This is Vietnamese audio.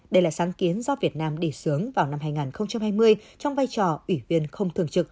đây là sáng kiến do việt nam đi sướng vào năm hai nghìn hai mươi trong vai trò ủy viên không thường trực